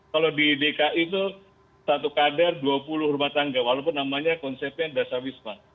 kalau di dki itu satu kader dua puluh rumah tangga walaupun namanya konsepnya dasar wisma